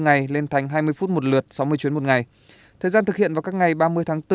ngày lên thành hai mươi phút một lượt sáu mươi chuyến một ngày thời gian thực hiện vào các ngày ba mươi tháng bốn